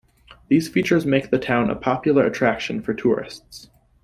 These features make the town a popular attraction for tourists.